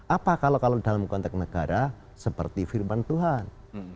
apa kalau dalam konteks negara seperti firman tuhan